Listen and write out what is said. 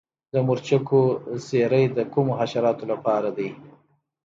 د مرچکو سپری د کومو حشراتو لپاره دی؟